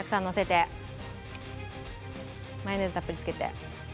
マヨネーズたっぷりつけて。